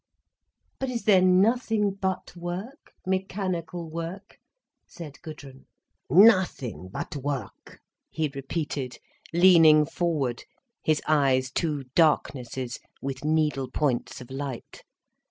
"But is there nothing but work—mechanical work?" said Gudrun. "Nothing but work!" he repeated, leaning forward, his eyes two darknesses, with needle points of light.